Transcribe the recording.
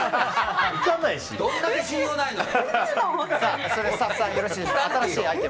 どんだけ信用ないのよ。